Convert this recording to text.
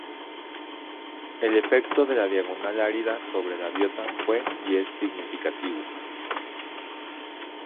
El efecto de la diagonal árida sobre la biota fue y es significativo.